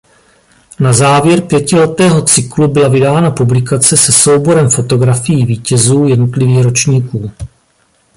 Na závěr pětiletého cyklu byla vydána publikace se souborem fotografií vítězů jednotlivých ročníků.